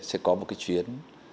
sẽ có một cái chuyến